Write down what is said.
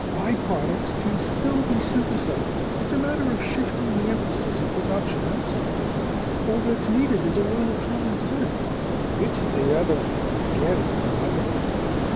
Byproducts can still be synthesized. It's a matter of shifting the emphasis of production, that's all. All that's needed is a little common sense." "Which is a rather scarce commodity."